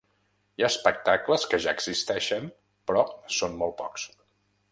Hi ha espectacles que ja existeixen, però són molt pocs.